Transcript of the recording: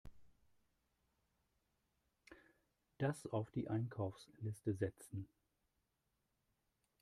Das auf die Einkaufsliste setzen.